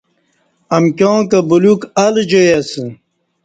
امکیاں کہ بلیوک الہ جائی اسہ